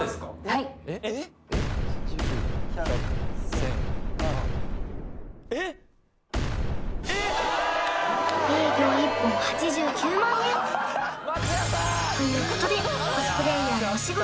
はい一十百千万営業１本８９万円ということでコスプレイヤーのお仕事